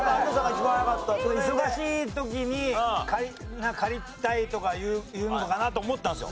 忙しい時に借りたいとか言うのかなと思ったんですよ。